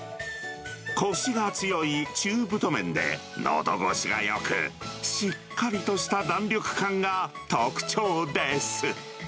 こしが強い中太麺で、のどごしがよく、しっかりとした弾力感が特徴です。